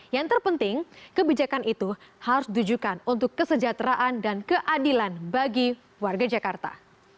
yang terpenting kebijakan itu harus ditujukan untuk kesejahteraan dan keadilan bagi warga jakarta